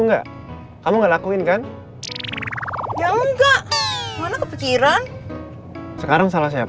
enggak kamu nggak lakuin kan jangan enggak mana kepikiran sekarang salah saya